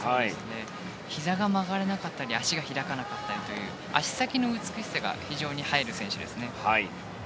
ひざが曲がらなかったり足が開かなかったりと足先の美しさが非常に映える選手ですね。